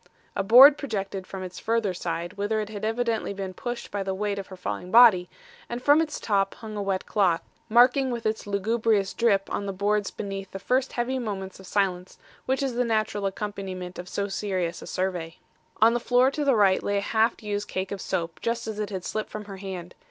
A board projected from its further side, whither it had evidently been pushed by the weight of her falling body; and from its top hung a wet cloth, marking with its lugubrious drip on the boards beneath the first heavy moments of silence which is the natural accompaniment of so serious a survey. On the floor to the right lay a half used cake of soap just as it had slipped from her hand.